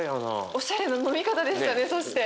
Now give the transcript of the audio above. おしゃれな飲み方でしたねそして。